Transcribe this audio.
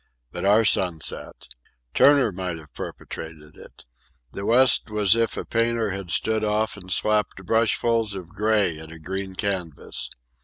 But our sunset. Turner might have perpetrated it. The west was as if a painter had stood off and slapped brushfuls of gray at a green canvas.